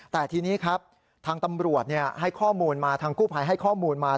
แต่ทีนี้ครับทางตำรวจให้ข้อมูลมาทางกู้ภัยให้ข้อมูลมา